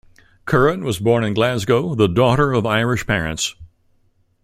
Curran was born in Glasgow, the daughter of Irish parents.